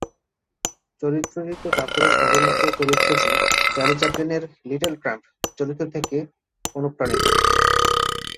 চলচ্চিত্রটিতে কাপুরের অভিনীত চরিত্রটি চার্লি চ্যাপলিনের "লিটল ট্রাম্প" চরিত্র থেকে অনুপ্রাণিত।